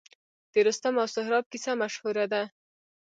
د رستم او سهراب کیسه مشهوره ده